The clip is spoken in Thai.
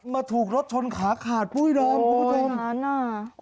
มาถูกรถชนขาขาดปุ๊บวิหารับ